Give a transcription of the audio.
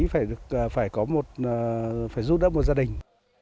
phải giúp đỡ một gia đình